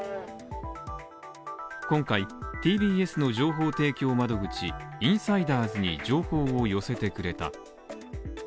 今回、ＴＢＳの情報提供窓口インサイダーズに情報を寄せてくれた。